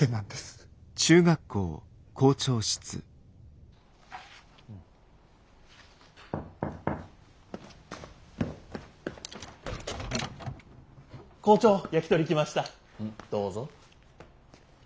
どうぞ。